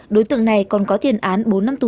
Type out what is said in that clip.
đối tượng này còn có tiền án